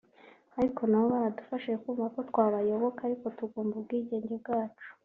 Ariko nabo baradufashije […] kumva ko twabayoboka ariko tugomba ubwigenge bwacu